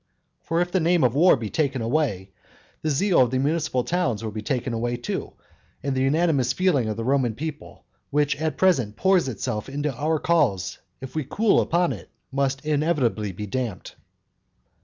For if the name of war be taken away, the zeal of the municipal towns will be taken away too. And the unanimous feeling of the Roman people which at present pours itself into our cause, if we cool upon it, must inevitably be damped.